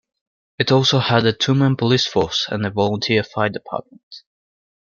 It also had a two-man police force and a volunteer fire department.